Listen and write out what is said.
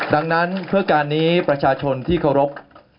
ดังนั้นเพื่อการนี้ประชาชนที่เคารพ